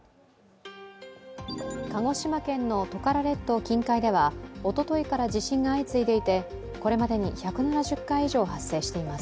鹿児島県のトカラ列島近海ではおとといから地震が相次いでいてこれまでに１７０回以上、発生しています。